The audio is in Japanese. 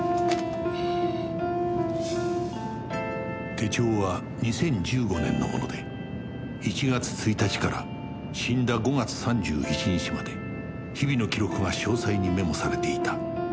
手帳は２０１５年のもので１月１日から死んだ５月３１日まで日々の記録が詳細にメモされていた